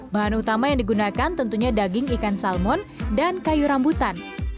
bahan utama yang digunakan tentunya daging ikan salmon dan kayu rambutan